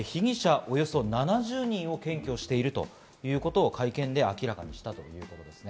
およそ７０人を検挙しているということを会見で明らかにしたということですね。